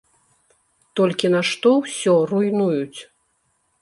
Толькі нашто ўсё руйнуюць.